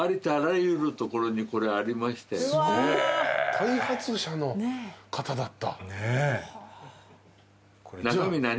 開発者の方だった。